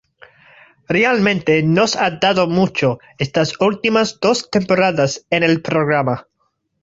Realmente nos ha dado mucho, estas últimas dos temporadas en el programa.